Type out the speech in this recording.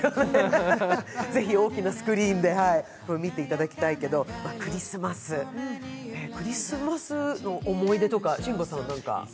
ぜひ大きなスクリーンで見ていただきたいけど、クリスマスの思い出とか慎吾さん、何か？